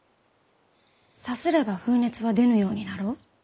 さすれば風熱は出ぬようになろう？